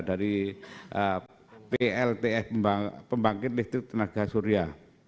dari pltf pembangkit listrik tenaga surya